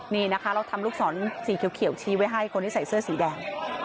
นี่นะคะเราทำลูกศรสีเขียวชี้ไว้ให้คนที่ใส่เสื้อสีแดง